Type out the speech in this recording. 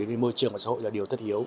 vì môi trường và xã hội là điều tất yếu